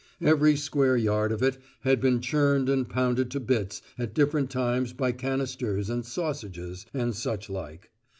Every square yard of it had been churned and pounded to bits at different times by canisters and "sausages" and such like.